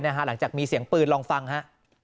หลังจากมีเสียงปืนลองฟังฮะ